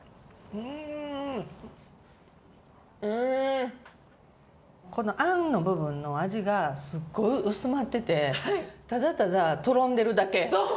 うんうんこのあんの部分の味がすっごい薄まっててただただとろんでるだけそう！